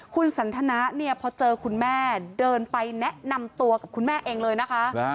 คุณสันทนะเนี่ยพอเจอคุณแม่เดินไปแนะนำตัวกับคุณแม่เองเลยนะคะ